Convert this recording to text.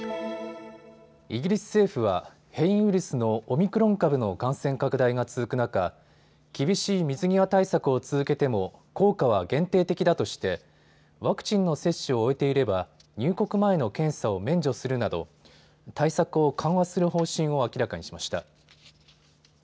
イギリス政府は変異ウイルスのオミクロン株の感染拡大が続く中、厳しい水際対策を続けても効果は限定的だとしてワクチンの接種を終えていれば入国前の検査を免除するなど対策を緩和する方針を明らかにしました。